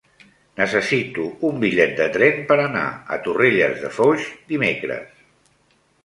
Necessito un bitllet de tren per anar a Torrelles de Foix dimecres.